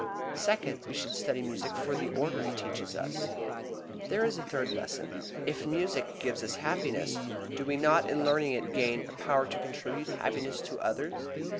Second, we should study music for the order it teaches us. There is a third reason. If music gives us happiness, do we not in learning it gain a power to contribute happiness to others?